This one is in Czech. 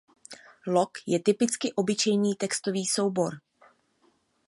Log je typicky obyčejný textový soubor.